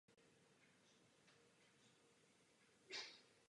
Ve hře se dokonce krátce objeví i Armáda České republiky.